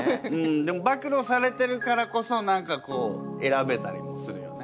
でも暴露されてるからこそ何かこう選べたりもするよね。